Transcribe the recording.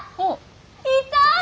いた！